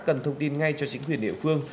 cần thông tin ngay cho chính quyền địa phương